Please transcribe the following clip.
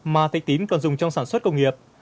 mà thạch tín còn dùng trong sản xuất công nghiệp